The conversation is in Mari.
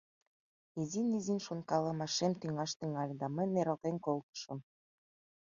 Изин-изин шонкалымашем тӱҥаш тӱҥале да мый нералтен колтышым.